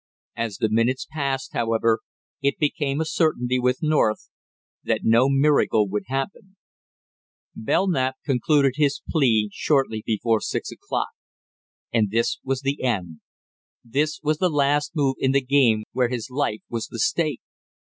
As the minutes passed, however, it became a certainty with North that no miracle would happen. Belknap concluded his plea shortly before six o'clock. And this was the end, this was the last move in the game where his life was the stake!